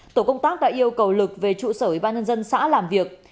tổ công tác đã yêu cầu lực về trụ sở ủy ban nhân dân xã làm việc